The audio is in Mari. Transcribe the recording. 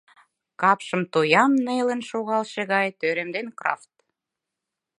Капшым тоям нелын шогалше гай тӧремден Крафт.